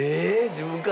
自分から？